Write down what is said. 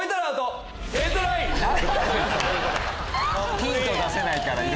ヒント出せないから。